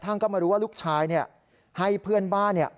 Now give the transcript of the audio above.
กระทั่งก็มารู้ว่าลูกชายเนี่ยให้เพื่อนบ้านเนี่ย